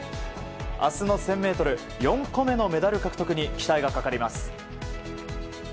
明日の１０００ｍ４個目のメダル獲得に期待がかかります。